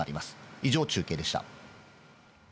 以上、中継でした。